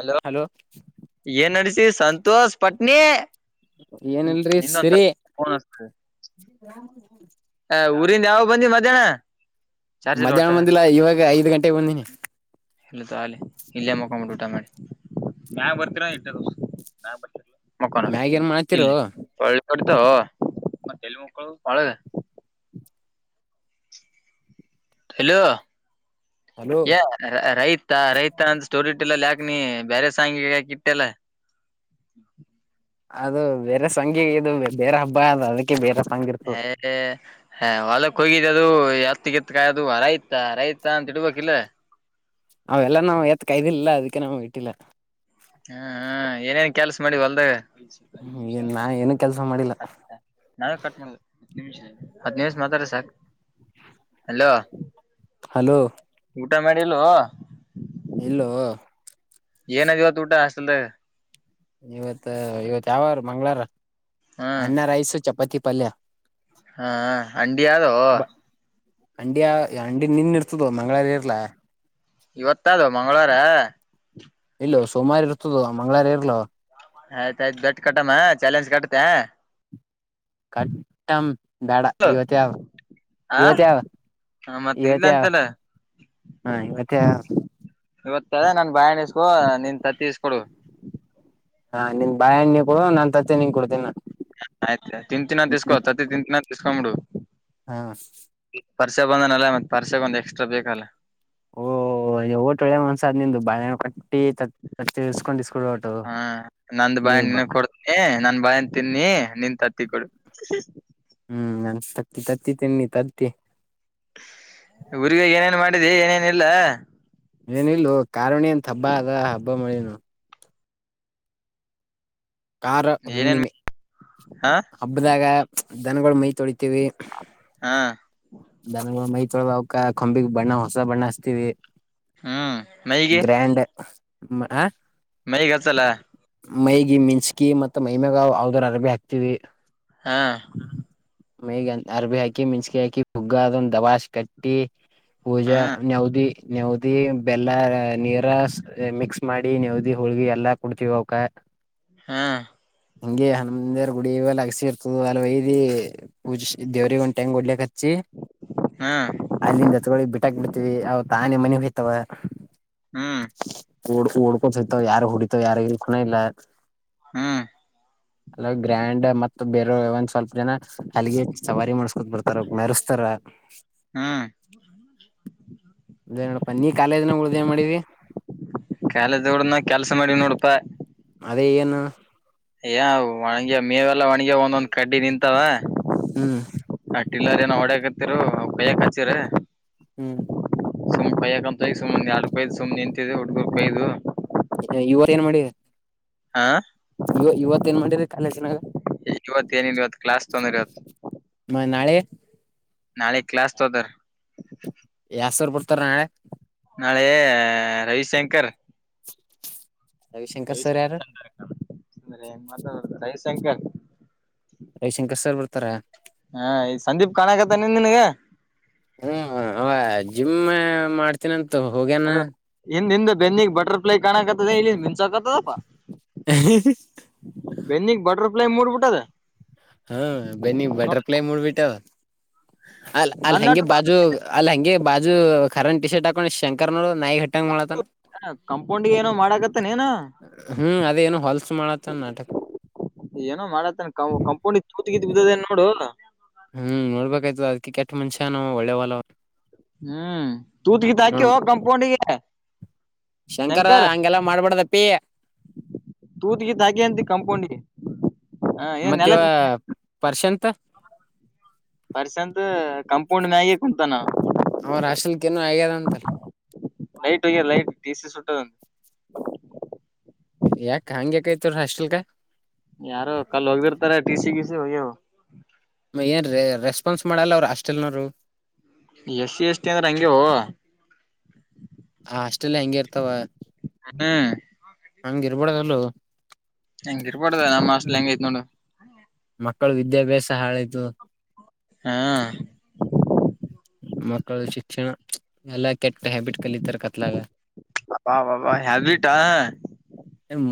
ಅಲ್ಲ ಹಲೋ ಏನ್ ನಡಸಿ ಸಂತೋಷ್ ಪಟ್ನಿ ಏನಲ್ರಿ ಇನ್ನೊಂತ ಸರಿ ನ್ತ [inaudible] ಅ ಊರಿಂದ ಯಾವ ಬಂದಿ ಮಧ್ಯಾಹ್ನ ಚಾರ್ಜ್ ಇಲ್ಲ ಒಟ್ಟ ಮಧ್ಯಾಹ್ನ ಬಂದಿಲ್ಲ ಇವಾಗ ಐದ್ ಗಂಟೆಗೆಗ್ ಬಂದಿನಿ ಇಲ್ಲ ಅ ಇಲ್ಲೇ ಮಕೊ ಊಟ ಮಾಡಿ ಇಟ್ಟ ಮ ಮ್ಯಾಗ ಏನ್ ಮಾಡ್ತಿರು ಇಲ್ಲಿ [unintelligible] ತ ಮ ತೆಲು ಮಕ್ಕಳು ಪಳದ ಹಲೋ ಹಲೋ ಯ ರೈತಾ ರೈತನಂತ ಸ್ಟೋರಿ ಇಟ್ಟಲ್ಲಲ್ಲ ಯಾಕ ನೀ ಬೇರೆ ಸಾಾಯಂಗಿಗೆ ಯಾಕ ಇಟ್ಟೆಲ್ಲ ಅದು ಬೇರೆ ಸಂಗಿಗೆ ಇದು ಬೇರೆ ಹಬ್ಬ ಅ ಅದಕ್ಕೆ ಬೇರೆ ಸಂಂಗ್ ಇರ್ತ ಹ ಹೊಲಕ್ ಹೋಗಿದ್ದ ಅದು ಎತ್ತಗೆತ್ಕಾಯದು ಆರೈ್ತ ಆರೈತ ಅಂತ ಇಡ್ಬೇಕಿಲ್ಲ ಅವೆಲ್ಲ ನಾವು ಎತ್ ಕೈದಿಲ್ಲ ಅದಕ್ಕೆ ನಮ್ ಇಟ್ಟಿಲ್ಲ ಹ್ಮ ಹ್ಮ ಏನೇನ್ ಕೆಲ್ಸ ಮಾಡಿ ಅಲ್ದ ನಿಮ ಏನ್ ನಾ ಏನು ಕೆಲ್ಸ ಮಾಡಿಲ್ಲ ನಾವೇ ಕಟ್ ಹ ನಿಮಿಷ ಹತ್ತು ನಿಮಿಷ ಮಾತ್ರಾರೆ ಸರ್ [unintelligible] ಹಲೋ ಹಲೋ ಊಟ ಮಾಡಿಲ್ಲ ಇಲ್ಲ ಏನದವತ್ತು ಊಟ ಹಲ್ದ ಇವತ್ ಇವತ್ ಯಾವಾರ ಮಂಗ್ಗಳಾರ ಹ್ಮ್ ಅನ್ನ ರಐಸು ಚಪಾತಿ ಪಲ್ಯ ಹಾ ಅಂಡಿ ಯದೋ ಹಂಡಿಯ ಹಂಡಿ ನೆನ್ನೆ ಇರ್ತದ ಮಂಗಳವಾರ ಇರಲ್ಲ ಇವತ್ತ ಅದು ಮಂಗಳವಾರ ಇಲ್ಲ ಸೋಮವಾರ ಇರ್ತದ ಮಂಗಳವಾರ ಇರಲ್ಲ ಆಯ್ತಾಯ್ತ ಬೆಟ್ ಕಟ್ಟಮ್ಮ ಚಾಲೆಂಜ್ ಕಟ್ಟತೆೆ ಕಟ್ ಕಾಟಮ್ ಬೇಡ ಇವತೆ ಯಾವ ಇವತೆ ಆ ಯಾವ ಮತ್ ಇಲ್ಲ ಇವತೆ ಯಾವ ಅಂತಲ್ಲ ಹಾ ಇವತ್ತೆ ಇವತ್ತ ಅದ ನನ್ ಬಾಯಣ್ಣ ಇಸ್ಕೊ ನಿನ್ ತತ್ತಿ ಇಸ್ಕೊಡು ಹಾ ನಿನ್ ಬಾಳೆಹಣ್ಣಿ ನಿನ್ ಕೊಡು ನಾನ್ ತತ್ತಿ ನೀನ್ ಕೊಡ್ತೇನಾ ಆಯ್ತ ತಿಂತೀನಿ ಅಂತ ಈಸ್ಕೊ ತತ್ತಿತಿಂತೀನಿ ಅಂತ ಈಸ್ಕೊಬಿಡು ಹಾ ಪರ್ಸೆ ಬಂದನಲ್ಲ ಮತ್ತೆ ಪರ್ಸೆೆಗೆ ಒಂದು ಎಕ್ಸ್ಟ್ರಾ ಬೇಕಲ್ಲ ಅಯ್ಯೋ ಒಳ್ಳೆ ಮನುಸ ನಿಂದು ಬಾಳೆಹಣ್ಣು ಕೊಟ್ಟಿ ಕೊಟ್ಟಿ ತತ್ತಿ ಈಸ್ಕೊಂಡು ಈಸ್ಕೊಂಡು ಹಾ ನಂದ್ ಬಾಳೆಹಣ್ಣು ನಿನಗೆ ಕೊಡ್ತೀನಿ ನನ್ ಬಾಳೆಹಣ್ಣು ತಿನ್ನಿ ನಿನ್ ತತ್ತಿಕೊಡು [inaudible] ಹ್ಮ್ ನನ್ ತತ್ತಿ ತಿನ್ನಿ ನೀ ತತ್ತಿ ಊರಿಗೆ ಹೋಗಿ ಏನೇನ್ ಮಾಡಿದಿ ಏನೇನು ಇಲ್ಲ ಏನಿಲ್ವೋ ಕಾರುಣಿ ಅಂತ ಹಬ್ಬ ಅದ ಹಬ್ಬಮಾಡೀನಿ ನೋಡು ಕಾರ ಏನೇನ್ ಹುಣ್ಣಿಮೆ ಹಾ ಹಬ್ಬದಾಗ ದನಗಳು ಮೈ ತೊಳಿತೀವಿ ಹಾ ದನಗಳ ಮೈತೊಳೆದು ಆವ್ಕ್ ಕೊಂಬಿಗೆ ಬಣ್ಣ ಹೊಸ ಬಣ್ಣ ಹಚ್ಚಿತೀವಿ ಹ್ಮ್ ಮೈಗೆ ಗ್ರ್ಯಾಂಡ್ ಹ ಮೈಗೆ ಹಚ್ಚಲ್ಲ ಮೈಯಿಗೆ ಮಿಚ್ಚಿಕಿ ಮತ್ತ ಮೈಮೇಗ ಅವದ್ರ ಅರಬಿ ಹಾಕ್ತವಿ ಹಾ ಹ ಮೈಗಿ ಅರಬಿ ಹಾಕಿ ಮೆಣಸಕಿ ಹಾಕಿ ಹುಗ್ಗ ಅದೊಂದು ದಾಬಸಿ ಕಟ್ಟಿ ಟ್ಟಿ ಹಾ ಪೂಜಾ ನೇವುದಿ ನೆವುದಿ ಬೆಲ್ಲ ನೀರ ಮಿಕ್ಸ್ ಮಾಡಿ ನೆವುದಿ ಹುಳ್ಗಿ ಎಲ್ಲಾ ಕುಡ್ತಿವಿ ಅವಕ್ಕ ಹಾ ಹಂಗೆ ಗುಡಿ ಇವ ಲಗಸಿ ಇರ್ತದ ಅಲ್ಲಿ ಹೊಯ್ದ ಪೂಜೆ ದೇವ್ರಿಗೆ ಒಂದ್ ಗಡ್ಲಕ್ಕೆ ಹಚ್ಚಿ ಹಾ ಅಲ್ಲಿಂದ ಎತ್ತಿಕೊಂಡು ಬಿಟ್ಟಾಕ್ ಬಿಡ್ತಿವಿ ಅವ ತಾನೇ ಮನೆಗೆ ಹೋಯ್ತವ ಹ್ಮ್ ಓಡ್ ಓಡ್ಕೋ ಸತವ ಯಾರ ಹೊಡಿತವ ಯಾರ ಇಲ್ [unintelligible] ಹ್ಮ್ ಲಾಗ್ ಗ್ರ್ಯಾಂಡ್ ಮತ್ ಬೇರೆ ಒಂದ್ ಸ್ವಲ್ಪ ಜನ ಹಲ್ಲಿಗೆ ಸವಾರಿ ಮಾಡಸ್ಕೊತ್ ಬರ್ತಾರ ಮೆರೀಸ್ತಾರ ಹ್ಮ್ [inaudible] ಅದೇ ನೋಡಪ್ಪ ನೀ ಕಾಲೇಜನಾಗ ಉಳ್ದೇ ಏನ್ ಮಾಡೀನಿ ಕಾಲೇಜ್ನಾಗ ಉಳಿದು ನಾನ್ ಕೆಲ್ಸ ಮಾಡಿನೀ ನೋಡಪ್ಪ ಅದೇ ಏನು ಏ ಒಣಗ ಮೇವೆಲ್ಲಾ ಒಣಿಗ ಒಂದೊಂದ್ ಕಡ್ಡಿ ನಿಂತಾವ ಹ್ಮ ಆ ಟಿಲ್ಲರ್ ಏನೋ ಓಡಕತ್ತರ ಬಯಕ್ ಹಚ್ಚರ ಹ್ಮ್ ಸುಮ್ ಪೈಯಕ ಅಂತ ಈ ಸುಮ್ಮನೆ ಆಡುಪೈು ಸುಮ್ನೆ ನಿಂತಿದ್ದು ಹುಡ್ಗುರು [inaudible] ಕೈು ಇವಗ್ ಏನ್ ಮಾಡಿಯೆ ಹಾ ಇವ ಇವತ್ ಏನ್ ಮಾಡಿರಿ ಕಾಲೇಜಿನಾಗ ಇವತ್ ಏನಿಲ್ ಇವತ್ತು ಕ್ಲಾಸ್ ತೊಂದೆ ಇವತ್ ಮ ನಾಳೆ ನಾಳೆ ಕ್ಲಾಸ್ ತೋಕೊತಾರೆ ಯಸ್ರ್ ಬಿಡ್ತಾರ ನಾಳೆ ರವಿಶಂಕರ್ [inaudible] ಸರ್ ರವಿಶಂಕರ್ ಯಾರು ಚಂದಂದ್ರ [inaudible] ಹೆಂಗ್ ಮಾತ ರವಿಶಂಕರ್ ರವಿಶಂಕರ್ ಸರ್ ಬರ್ತಾರ ಹಾ ಈ ಸಂದೀಪ್ ಕಾಣಕತ್ತೈ ನಿನ್ಗ ಹ್ಮ್ ಅವ ಜಿಮ್ ಮಾಡ್ತೀನಂತು ಹೋಗ್ಯನ ಹಿಂದ ಹಿಂದ್ ಬೆನ್ನಿಗ್ ಬಟರ್ ಫ್ಲೈ ಕಾಣಕತ್ತದ ಇಲ್ಲಿಂದ ಮಿಂಚಾಕತದಲಪ್ಪ ಹ್ ಹಿ ಹು [inaudible] ಬೆನ್ನಿಗ್ ಬಟರ್ ಫ್ಲೈ ಮೂಡ್ಬುಟದ ಹಾ ಬೆನ್ನಿಗ್ ಬಟರ್ ಪೈ ಮೂಡ್ಬಿಟ್ಟವ ಅಲ್ ಅಲ್ಲಿ ಹೆಂಗೆ ನನ್ನಟ್ಟು ಬಾಜು ಅಲ್ಲಿ ಹೆಂಗೆ ಬಾಜು ಕರನ್ ಟೀ ಶರ್ಟ್ ಹಾಕೊಂಡು ಶಂಕರ್ನೋ ನಾಯಿ ಹಟ್ ಟಂಗ್ ಮಾಡತನ ಕಂಪೌಂಡಿಗೆ ಏನೋ ಮಾಡಾಕತ್ತನ್ ಏನ ಹ್ಮ್ ಅದೇನು ಹೊಲ್ಸ್ ಮಾಡತ್ತನ ನಾಟಕ ಏನೋ ಮಾಡತ್ತನ್ ಕ ಕಾಂಪೌಂಡ್ ತೂತ್ ಗಿದ್ ಬಿದ್ದೇದೆನ್ ನೋಡು ಹ್ಮ್ ನೋಡ್ಬೇಕಾಯ್ತು ಅದ ಕೆಟ್ ಮನಷ್ಯನವ ಒಳ್ಳೆೇ ಒಲ ಹ್ಮ್ ತೂತ್ ಗಿತ್ ಹಾಕಿವೊ ನೋಡ್ ಕಂಪೌಂಡ್ಗೆ ಶಂಕರ ಹಂಗೆಲ್ಲಾ ಮಾಡ್ಬಾಡ್ದಪ್ಪಿ. ತೂತ್ ಗಿತ್ [inaudible] ಕಾಂಪೌಂಡಿ ಮತ್ತೆ ಇವಾಗ ಪರ್ಸೆಂತ್ ಪರ್ಷಂತು ಕಂಪೌಂಡ್ ಮ್ಯಾಗೆ ಕುಂತಾನ ಅವ [inaudible] ಅವ್ರ ರಾ್ರಲ್ ಏನು ಆಗ್ಯದ ಅಂತಲ್ಲ [inaudible] ಲೈಟ್ಗ ಲೈಟ್ ಟಿಸಿ ಸುಟ್ಟ ಯಾಕ್ ಹಂಗ್ಯಾಕ ಆತೈ ರ ಹಾಸ್ಟೆಲ್ಗ ಯಾರು ಕಲ್ ಹೋಗಿರ್ತಾರೆ ಟಿ ಸಿ ಗಿ ಸಿ ಹೋಗ್ಯವು ಏನ್ ರ ರೆಸ್ಪಾನ್ಸ್ ಮಾಡೋಲ್ಲ ಅವ್ರು ಹಾಸ್ಟಲ್ನವ್ರು ಎಸ್ ಸಿ ಎಸ್ ಟಿ ಅಂದ್ರೆ ಹಂಗೆವು ಆ ಹಾಸ್ಟೆಲ್ ಹಂಗೆ ಇರ್ತವೊ [unintelligible] ಹಂಗ್ ಇರ್ಬದಲ್ಲು ಹೆಂಗ ಇರ್ಬಡ್ದ್ ನಮ್ಮ ಹಾಸ್ಟ್ಲ ಹೆಂಗೈತ್ ನೋಡು ಮಕ್ಕಳು ವಿದ್ಯಾಭ್ಯಾಸ ಹಾಳಾಯಿತು ಹಾ [unintelligible] ಮಕ್ಕಳು ಶಿಕ್ಷಣ ಎಲ್ಲ ಕೆಟ್ಟ ಹ್ಯಾಬಿಟ್ ಕಲಿತಾರ ಕತ್ಲಾಗ ಅಬ ಅಬ್ಬ ಹ್ಯಾಬಿಟಾ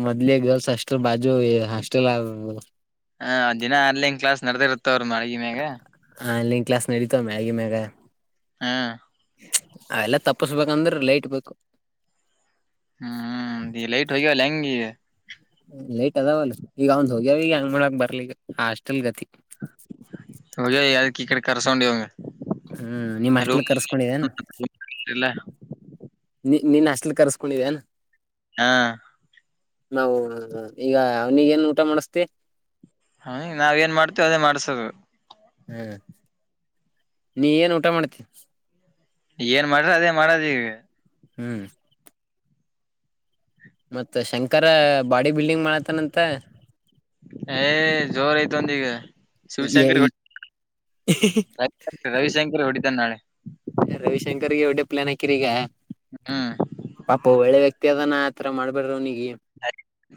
ಮೊದಲಿ ಗರ್ಲ್ಸ್ ಅಷ್ಟ್ ಬಾಜು ಹಾಸ್ಟೆಲ್ ಆ ಹ ಅ ದಿನ ಆನ್ಲೈನ್ ಕ್ಲಾಸ್ ನಡೆದಿರುತ್ತ ಅವ್ರು ಮನೆನ್ಯಾಗ. Online class ನಡಿತವ್ ಮ್ಯಗನ್ಯಾಗ. ಹಾ ಅವ ಎಲ್ಲಾ ತಪ್ಪಸ್ಬೇಕಂದ್ರೆ ಲೈಟ್ ಬೇಕು. ಹ್ಮ್ ದಿ ಲೈಟ್ ಹೋಗ್ಯಾವ ಲಂಗಿ. ಲೇಟ್ ಅದಾವಲ್ಲ ಈಗ ಅವಂದ್ ಹೋಗ್ಯಾವ ಈಗ ಹೆಂಗ ಮಾಡಕ್ ಬರ್ಲಿ ಈಗ ಹಾಸ್ಟೆಲ್ ಗತಿ. ಹೊಯ್ ಯದಕ್ಕೆ ಈ ಕಡೆ ಕರಸೊಂಡಿವ್. ಹ್ಮ್ ನಿಮ್ ಹಾಸ್ಟೆಲ್ಲ ಕರ್ಸ್ಕೊಂಡಿದ್ದೇನ. ಇಲ್ಲ. ನೀ ನೀನ್ ಹಾಸ್ಟೆಲ್ ಕರ್ಸ್ಕೊಂಡಿದ್ದೇನಾ. ಹಾ ನಾವವು ಈಗ ಅವನಿಗ ಏನ್ ಊಟ ಮಾಡಿಸ್ತೀ. ಹ ನಾವ ಏನ್ ಮಾಡ್ತೇವ ಅದೇ ಮಾಡಸದು. ಹ್ಮ ನೀ ಏನ್ ಊಟ ಮಾಡ್ತೀ. ಏನ್ ಮಾಡ್ರಿ ಅದೇ ಮಾಡದ ಈಗ. ಹ್ಮ್ ಮತ್ತ ಶಂಕರ ಬಾಡಿ ಬಿಲ್ಡಿಂಗ್ ಮಾಡತ್ತನಂತ. ಏ ಜೋರ್ ಐತ ಒಂದ ಈಗ. ಶಿವಶಂಕರ್ ಎ ರವಿಶಂಕರ್ ಹೊಡಿತಾನ ನಾಳೆ. ರವಿಶಂಕರ್ಗೆ ಎಏಡೆ ಪ್ಲಾನ್ ಹಾಕಿರಿ ಈಗ. ಹಾ ಪಾಪ ಒಳ್ಳೆ ವ್ಯಕ್ತಿ ಅದಾನ ಆತರ ಮಾಡ್ಬಿಡ್ರರು ಅವನಿಗೆ. ಆ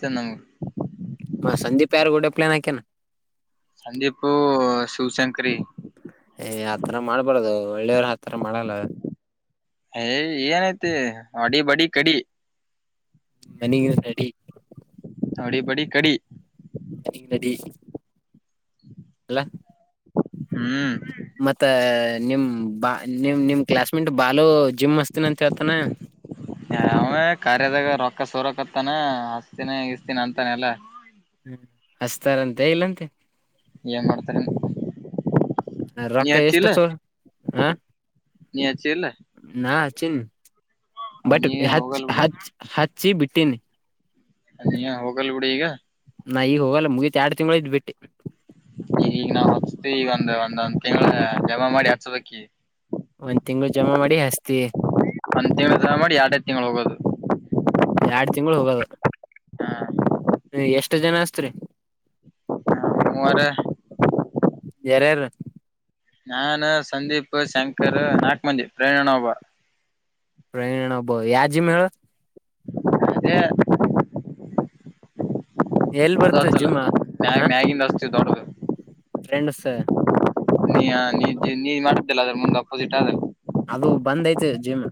ಚ ನಮ ಮ ಸಂದೀಪ್ ಯಾರಗೂಡೆ ಪ್ಲಾನ್ ಆಕ್ಯಾನ. ಸಂದೀಪು ಶಿವಶಂಕರಿ. ಏ್ ಆತರ ಮಾಡ್ಬಾರದು ಒಳ್ಳೆಯವರು ಆತರ ಮಾಡಲ್ಲ. ಏಯ್ ಏನೈತಿ ವಡಿ ಬಡಿ ಕಡಿ. ಮನಿಗ ನಡಿ. ವಡಿ ಬಡಿ ಕಡಿ. [unintelligible] ಗ ನಡಿ ಅಲ್ಲ ಹ್ಮ್ ಮತ್ತ ನಿಮ್ ಬಾ ನಿಮ್ ನಿಮ್ ಕ್ಲಾಸ್ಮೆಂಟ್ ಬಾಲು ಜಿಮ್ ಮಸ್ತನ ಅಂತ ಹೇಳ್ತಾನ. ಅವೇ ಕಾರ್ಯಾದಾಗ ರೊಕ್ಕ ಸೊರಕತ್ತಾನ ಹಸ್ತೀನಿ ಇಸ್ತೀನಿ ಅಂತಾನ ಎಲ್ಲಾ. ಹ್ಮ್ ಹಸ್ತಾರಂತೆ ಇಲ್ಲಂತೆ. ಏನ್ ಮಾಡ್ತಾರೆ. ರೊಕ್ಕ ನೀಯಚಿಲ್ಲ ಎಷ್ಟು ಸೋ ಹ ನೀಯಚಿಲ್ಲ. ನಾ ಹಚ್ಚಿನಿ ಬಟ್ ನೀ ಹಚ್ ಹೋಗಲ್ ಬಿಡು ಹಚ್ ಹಚ್ಚಿ ಬಿಟ್ಟೀನಿ. ಅದ ಈ ಹೋಗಲ್ ಗುಡಿ ಈಗ. ನಾ ಈಗ ಹೋಗಲ್ಲ ಮುಗಿತತ್ ಎರಡು ತಿಂಳ ಇದ್ ಬಿಟ್ಟಿ. ಈ ಈಗ ನಾವು ಹಚ್ತಿೀವಿ ಈಗ ಒಂದ್ ಒಂದ್ ಒಂದ್ ತಿಂಗಳ ಜಮಾ ಮಾಡಿ ಹಚ್ಚದಕಿ ಒಂದ್ ತಿಂಗಗಳು ಜಮಾ ಮಾಡಿ ಹಸ್ತಿ. ಅ ತಿಂ ಮಾಡಿ ಎರಡ ತಿಂಗಳು ಹೋಗೋದು. ಎರಡ್ ತಿಂಗಳು ಹೋಗದು ಹ ಎಷ್ಟ ಜನ ಅಸ್ತ್ರಿ. ಹೂವರ್. ಯಾರ ಯಾರ. ನಾನ್ ಸಂದೀಪ್ ಶಂಕರ್ ನಾಲ್ಕು ಮಂದಿ ಪ್ರೇರಣಾ ಒಬ. ಪ್ರೇರಣಾ ಒಬಾವ್ ಯಾ ಜಿಮ ಹೇಳ್. ಅದೇ. ಎಲ್ ಅದ ಬರ್ತ ಅತುಲ್ ಜಿಮ್ ಮ್ಯ ಮ್ಯಗಿಂದ ಆಸ್ತಿ ದೊಡದು. ಟ್ರೆಂಡ್ಸ್ ನೀ ನೀ ಮಾಡ್ತಲ್ಲ ಅದ್ರ ಮುಂದ್ ಅಪೋಸಿಟ್ ಆದ. ಅದು ಬಂದ್ ಐತೆ ಜಿಮ್.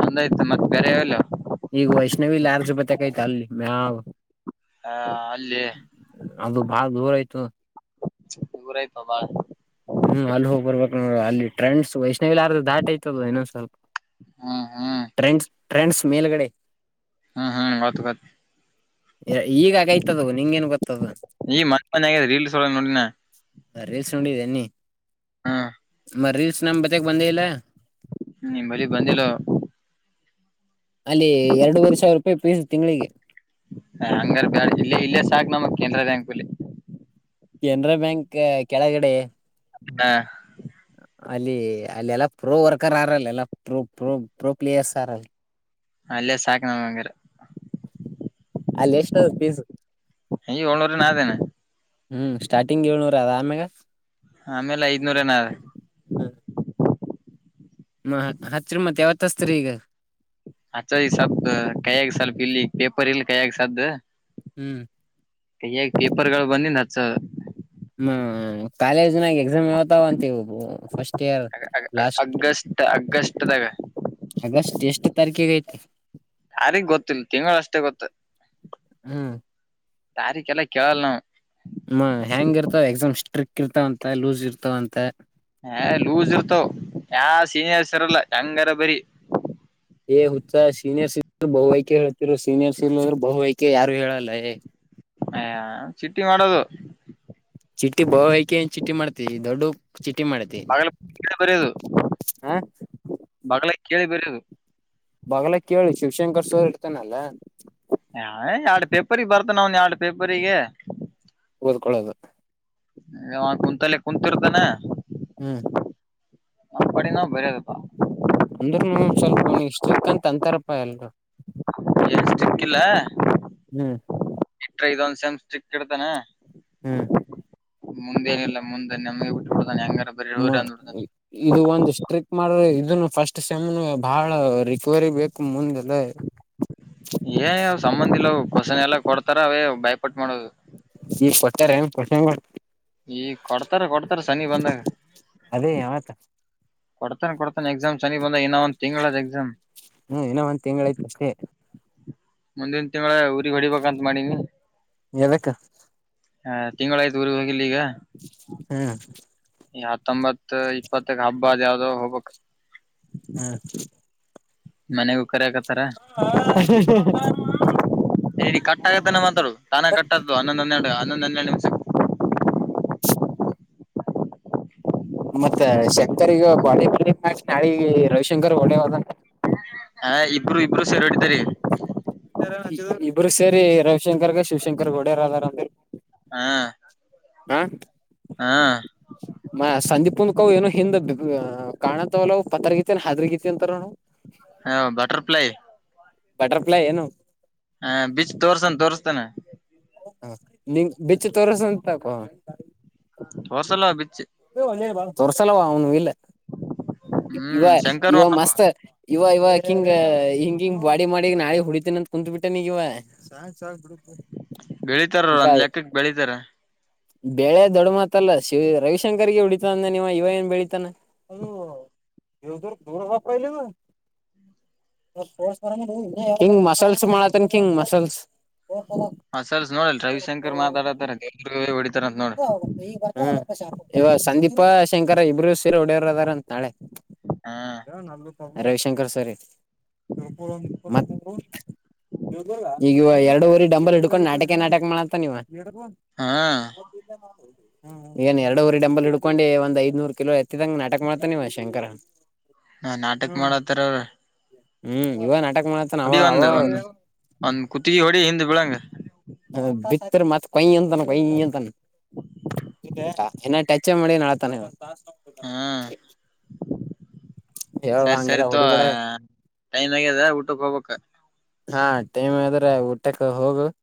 ಒಂದ ಆಯ್ತಾ ಮತ್ತ ಬ್ಯಾರೆಯಲ್ಲವ. ಈಗ ವೈಷ್ಣವಿ ಲಾರ್ಜ್ ಬತೆ ಕೈತ ಅಲ್ಲಿ ಮ್ಯಾಗ. ಹಾ ಅಲ್ಲೇ. ಅದು ಬಾಳ ದೂರ ಆಯ್ತುದು. ದೂರ ಆಯ್ತುದು ಬಾಳ ಹ್ಮ್ ಅಲ್ಲಿ ಹೋಗ್ ಬರ್ಬೇಕ ನೋಡ ಅಲ್ಲಿ ಟ್ರೆಂಡ್ ವೈಷ್ಣವಿ ಲಾಡ್ಜ್ ದಾಟಿ ಐತಿ ಆದ ಇನ್ನೊಂದ ಸ್ವಲ್ಪ. ಹ್ಮ್ ಹ್ಮ್ ಟ್ರೆಂಡ್ಸ್ ಟ್ರೆಂಡಸ್ ಮೇಲ್ಗಡೆ ಹ್ಮ್ ಹ್ಮ್ ಗೊತ್ತ ಗೊತ್ತ ಈಗ ಆಗೈತಿ ಅದು ನಿಂಗ ಏನ್ ಗೊತ್ತದ. ಈ ಮನ್ನೀ ಮನ್ನಿ ಆಗ್ಯದ ರೀಲ್ಸ್ ವೋಲಗ ನೋಡಿನ ನಾ ರೀಲ್ಸ್ ನೋಡಿದ್ದೇನ ನೀ ಹ್ಮ್ ಮ ರೀಲ್ಸ್ ನಮ ಬಳಿ ಬಂದೇ ಇಲ್ಲ. ಹೂ ನಿಮ್ಮ ಬಳ್ಳಿಗ ಬಂದಿಲ್ಲ ಅವ ಅಲ್ಲಿ ಎರಡೂವರೆ ಸಾವಿರ ರೂಪಾಯಿ ಪೀಸ್ ತಿಂಗಳಿಗೆ ಹ ಹಂಗರ್ ಬ್ಯಾಡ್ ಇಲ್ಲೇ ಇಲ್ಲೇ ಸಾಕ್ ನಮ ಕೆನರಾ ಬ್ಯಾಂಕ್ ಬಲ್ಲಿ ಕೆನರಾ ಬ್ಯಾಂಕ್ ಕೆಳಗಡೆ. ಹಾ ಅಲ್ಲಿ ಅಲ್ಲೆಲ್ಲಾ ಪ್ರೋ ವರ್ಕರ್ ಹಾರ ಅಲ್ಲಿ ಎಲ್ಲಾ ಪ್ರೋ ಪ್ರೋ ಪ್ರೋ ಪ್ಲೇಯರ್ಸ್ ಹಾರಲ್ಲಿ ಅಲ್ಲೇ ಸಾಕ ನಂಗ್ ಹಂಗೀರ್. ಅಲ್ಲಿ ಎಷ್ಟದ ಪೀಸು. ಈ ಏಳ್ನೂರನ ಆದೇನ ಹ್ಮ್ ಸ್ಟಾರ್ಟಿಂಗ್ ಏಳ್ನರುದ ಆದ ಆಮ್ಯಾಗ. ಆಮೇಲೆ ಐದ್ನೂರೆನಾ ಅದ. ಹಚ್ರಿ ಮತ್ತ ಯಾವತ್ತ ಹಚ್ತೀರಿ ಈಗ. ಹಚ್ಚಾದು ಈಗ ಸದ್ದು ಕೈಯಾಗ ಸ್ವಲ್ಪ್ ಇಲ್ಲಿ ಪೇಪರ್ ಇಲ್ಲಿ ಕೈಯಾಗ ಸದ್ದು. ಹ್ಮ್ ಕೈಯಾಗ ಪೇಪರ್ಗಳು ಬನ್ನಿನ ಹಚ್ಚದು. ಹ್ಮ ಕಾಲೇಜ್ ನಾಗ ಎಕ್ಸಾ ಮ ಯಾವತ್ತು ಅವಾಅಂತ ಫರ್ಸ್ಟ್ ಇಯರ್ ಲಾಸ್ಟ್. ಅಗ್ಗಸ್ಟ್ ಅಗ್ಗಸ್ಟ್ದಾಗ ಆಗಸ್ಟ್ ಎಷ್ಟು ತಾರೀಕಿಗೆ ಐತಿ ತಾರೀಕ ಗೊತ್ತಿಲ್ಲ ತಿಂಗಳುಷ್ಟೇ ಗೊತ್ತು ಹ್ಮ್ ತಾರೀಕ ಎಲ್ಲಾ ಕೇಳಲ್ಲ ನಾವು. ಹ್ಮ ಹೆಂಗ್ ಇರ್ತಾವ ಎಕ್ಸಾಮ್ ಸ್ಟ್ರಿಕ್ ಇರ್ತಾವಂತ ಲೂಸ್ ಇರ್ತಾವಂತ. ಹ ಲೂಸ್ ಇರ್ತಾವ ಯಾವ ಸೀನಿಯರ್ಸ್ ಇರಲ್ಲ ಹೆಂಗಾರ ಬರಿ ಏ ಹುಚ್ಚು ಸೀನಿಯರ್ ಇದುರಾ ಬಹು ಆಯ್ಕೆ ಹೇಳ್ತಿರು ಸೀನಿಯರ್ ಇಲ್ಲಾ ಹೋದೋರು ಬಹು ಆಯ್ಕೆ ಯಾರು ಹೇಳಲ್ಲ ಏ. ಅಯ ಚಿಟಿ ಮಾಡೋದು. ಚಿಟ್ಟಿ ಬಹುಆಯ್ಕೆ ಏನ್ ಚಿಟ್ಟಿ ಮಾಡ್ತವಿ ದೊಡ್ಡುವ. ಚಿಟಿ ಮಾಡ್ತಿ. ಬಗಲ ಕೇಳ ಬರೆಯದು ಹಾ ಬಗಲಾಗ್ ಕೇಳಿ ಬರೆಯೋದು ಬಗ್ಲ ಕೇಳಿ ಶಿವಶಂಕರ್ ಸರ್ ಇರ್ತೇನಲ್ಲ ಹ ಎರಡ್ ಪೇಪರ್ ಬರ್ತ ನ ಅವನ್ ಎರಡ್ ಪೇಪರ್ರಿಗೆ ಓದ್ಕೊಳ್ಳೋದು ಕುಂತಲ್ಲ ಕುಂತಿರ್ತಾನ ಹ್ಮ್ [inaudible] ಹ ಪಡಿಿನ ಬರದಪ್ಪಾ ಅಂದ್ರರುನು ಸ್ವಲ್ಪ ಸ್ಟ್ರಿಕ್ ಅಂತ ಅಂತಾರಪ್ಪಾ ಎಲ್ರು ಎಷ್ಟ [inaudible] ಕ್ಕಿಲ್ಲ ಹ್ಮ್ ಇಟ್ರೆ ಇದೊಂದ್ ಸೆಮ್ ಸ್ಟಿಕ್ ಇಡ್ತಾನ ಹ್ಮ್ ಮುಂದೇನಿಲ್ಲ ಮುಂದೆ ನಮ್ಗೆ ಬಿಟ್ಟಬಿಡತಾನೆ ಹೆಂಗಾರ ಬರೀ ಮ ಹೋಗ್ರಿ ಅಂದ್ಬಿಡ್ತಾನೆ ಎ ಇದು ಒಂದ್ ಸ್ಟ್ರಿಕ್ ಮಾಡ್ರೆ ಇದನ್ನು ಫಸ್ಟ್ ಸೆಮ್ ಬಹಳ ರಿಕವರಿ ಬೇಕು ಮುಂದೆಲ್ಲ ಏನ್ ಸಂಬಂಧ ಇಲ್ಲ ಅವು ಕ್ವಷನ್ ಎಲ್ಲ ಕೊಡ್ತಾರ ಅವೇ ಬಯಪಟ್ ಮಾಡೋದು ಈ ಕೊಟ್ಟಾರ ಏನ್ [inaudible] ಪಷ ಈ ಕೊಡ್ತಾರ ಕೊಡ್ತಾರ ಸನಿ ಬಂದಾಗ ಅದೇ ಯಾವತಾ ಕೊಡ್ತಾನ ಕೊಡ್ತಾನೆ ಎಕ್ಸಾಮ್ ಸನಿ ಬಂದ ಇನ್ನ ಒಂದ್ ತಿಂಗಳದ ಎಕ್ಸಾಮ್ ಹ್ಮ್ ಇನ್ನ ಒಂದ್ ತಿಂಗ್ಳ್ ಐತೆ ಅಷ್ಟೇ ಮುಂದಿನ್ ತಿಂಗ್ಲ ಊರಿಗ್ ಹೊಡಿಬೇಕಂತ್ ಮಾಡೀನಿ ಎದಕ್ಕ ಹ ತಿಂಗಳಾಯ್ತುಊರ್ಗ್ ಹೋಗಿಲ್ಲ ಈಗ ಹ್ಮ್ ಈ ಹತ್ತೊಂಬತ್ ಇಪ್ಪತ್ತಕ್ ಹಬ್ಬ ಅದ್ ಯಾವ್ದೋ ಹೋಗ್ಬೇಕ್ ಹ್ಮ್ ಮನೆಗೂ ಕರೆ ಕತರ ನಡಿ ಕಟ್ಟಾಗತ್ತಾನೆ ಮಾತು ತಾನ ಕಟ್ಟದು ಹನ್ನೊ ಹೆಡು ಹನ್ನೊ ಹನ್ನೆರಡು ನಿಮಿಷ [inaudible] ಮತ್ತ ಶಂಕರ್ ಈಗ ಬಾಡಿ ಬಿಂಗ್ [inaudible] ಕ್ ನಾಳಿಗ ರವಿಶಂಕರ್ ಹೊಡೆವದ ಹ ಇಬ್ಬರು ಇಬ್ರು ಸೇರೆ ಹೊಡಿದರಿ ಇಬ್ಬರು ಸೇರಿ ರವಿಶಂಕರ್ಗ ಶಿವಶಂಕರ್ ಗೋಡೆಯರ್ [inaudible] ಅದಾರಂದ್ರ ಹಾ ಹಾ ಹಾ [inaudible] ಮ ಸಂದೀಪ್ ಅಂದ್ಕವ್ ಏನ್ ಹಿಂದ್ ಕಾಣತ್ವಲವವು ಪತ್ರಗತಿನ್ ಹದ್ರಗತಿ [inaudible] ಅಂತಾರ ನ ಹಾ ಬಟರ್ಫ್ಲೈ ಬಟರ್ಫ್ಲೈ ಏನು ಹ ಬಿಚ್ ತೋರ್ಸನ್ ತೋರ್ಸ್ತಾನ [inaudible] ಹ ನಿಂಗ ಬೆಚ್ಚ ತೋರ್ಸಂತಕೋ [inaudible] ಹೊಸಲ್ಲ ಬಿಚ್ಚು ಂದ ತೋರ್ಸಲ್ಲವ ಅವನು ಇಲ್ಲ ಇವ ಹ್ಮ್ ಶಂಕರ್ ಇವ ಮಸ್ತ್ [inaudible] ಇವ ಇವ [inaudible] ಹಿಂಗ ಹಿಂಗಿಂಗ ಬಾಡಿ ಮಾಡಿ ನಾಳಗ್ ಹುಡಿತೀನಂತ ಕುತ್ ಬಿಟ್ ನೀಗ ಇವ ಹ ಸ ಬಿಡ [unintelligible] ಬೆಳೀತಾರರು ಒಂದ್ ಲೆಕ್ಕಕ್ ಬೆಳೀತಾರ ಬೆಳೆ ದೊಡ್ಡ ಮಾತಲ್ಲ ಶಿವ ರವೀಶ್ ಶಂಕರ್ಗೆ ಉಡಿತ ಅಂದ ನಿವ ಇವ ಏನ್ ಬೆಳಿತತಾನ ದವ ದೂ ದೂರ ವಪರ ಇಲ್ಲವ ಹಿಂಗ್ ಮಸಲ್ಸ್ ಮಾಡತ್ತನ್ ಹಿಂಗ್ ಮಸಲ್ಸ್ ಹ ಸಲ್ಸ್ ನೋಡಲ್ ರವಿಶಂಕರ್ ಮಾತಾಡತಾರ ದೇವರ್ಗ ಹೊಡಿತಾರ ಅಂತ ನೋಡ್ರಿ ಹ್ಮ ಇವ ಸಂದೀಪ ಶಂಕರ ಇಬ್ರು ಸೀರೆ ಹೊಡೆಯವರ ಅದಾರಂತ ನಾಳೆ ಹಾ ರವಿಶಂಕರ್ ಸರಿ ಈಗವ ಎರಡು ಊರಿ ಡಂಬಲ್ ಹಿಡ್ಕೊಂಡು ನಾಟಕ ನಾಟಕ ಮಾಡತ್ತ ನೀವ ಹಾ ಈಗನ್ ಎರಡು ಊರಿ ಡಂಬಲ್ ಹಡ್ಕೊಂಡು ಒಂದ್ ಐದನೂರ್ ಕಿಲೋ ಎತ್ತಿದಂಗ ನಾಟಕ ಮಾಡ್ತಾನ ನೀವ ಶಂಕರ ಹಾ ನಾಟಕ ಮಾಡತ್ತಾರ ಅವ್ರರು ಹ್ಮ್ ಇವಾಗ ನಾಟಕ ಮಾಡ ಅಡಿ ಒಂದ ಒಂದ ಒಂದ್ ಕತ್ಗಿ ಹೊಡಿ ಹಿಂದ್ ಬಿಳಂಗಗೆ ಬಿ ಮತ್ತ ಕೊಂತ ಕೊಂತಟ ಚಚ್ಚೆ ಮಾಡಿ ನಾಳತಾನೆ ಹಾ ಹೇಳ್ ಸರಿ ಹಂಗೆಲ್ಲ ಸರಿತೋ ಹೊಡಿಬೇಡ ಟೈಮ್ ಆಗ್ಯದ ಊಟಕ್ಕೆ ಹೋಗ್ಬೇಕಕ್ ಹಾ ಟೈಮ್ ಆದ್ರೆ ಊಟಕ್ಕೆ ಹೋಗು